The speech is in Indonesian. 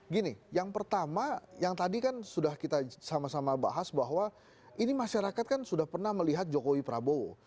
gini yang pertama yang tadi kan sudah kita sama sama bahas bahwa ini masyarakat kan sudah pernah melihat jokowi prabowo